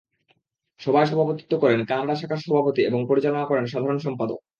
সভায় সভাপতিত্ব করেন কানাডা শাখার সভাপতি এবং পরিচালনা করেন সাধারণ সম্পাদক।